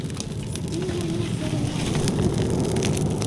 З кім яны ўсе размаўляюць?